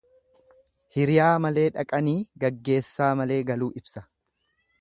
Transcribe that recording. Hiriyaa malee dhaqanii gaggeessaa malee galuu ibsa.